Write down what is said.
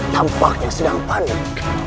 tampaknya sedang panik